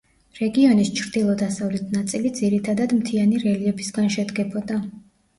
რეგიონის ჩრდილო-დასავლეთ ნაწილი ძირითადათ მთიანი რელიეფისგან შედგებოდა.